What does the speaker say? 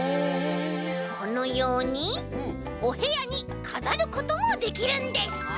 このようにおへやにかざることもできるんです！